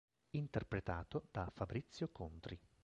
Interpretato da Fabrizio Contri.